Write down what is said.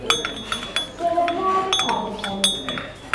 Sarameɣ ad iqeεεed lḥal.